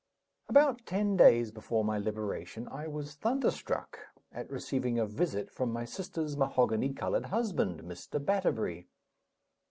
About ten days before my liberation, I was thunderstruck at receiving a visit from my sister's mahogany colored husband, Mr. Batterbury.